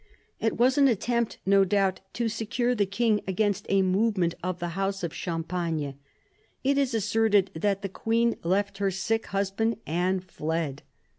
It was an attempt, no doubt, to secure the king against a movement of the house of Champagne. It is asserted that the queen left her sick husband and fled.